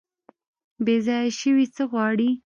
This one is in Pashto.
بیځایه شوي څه غواړي؟